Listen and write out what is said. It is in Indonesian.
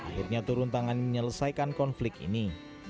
pasik malaya akhirnya turun tangan menyelesaikan konflik ini